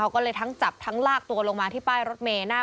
ก็เลยทั้งจับทั้งลากตัวลงมาที่ป้ายรถเมย์